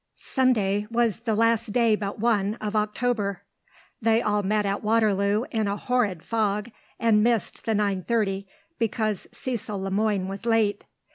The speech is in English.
Sunday was the last day but one of October. They all met at Waterloo in a horrid fog, and missed the nine thirty because Cecil Le Moine was late.